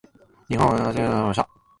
日本・永瀬貴規の準決勝が始まりました。